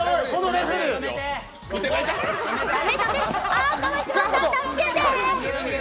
あ、川島さん、助けて。